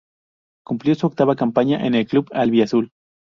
Cumplió su octava campaña en el club albiazul.